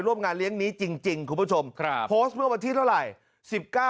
ร่วมงานเลี้ยงนี้จริงกูผดชมคราวโฟสต์ว่าวันที่เท่าไหร่